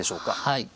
はい。